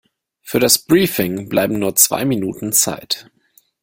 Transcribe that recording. Für das Briefing bleiben nur zwei Minuten Zeit.